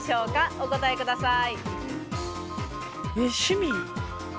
お答えください。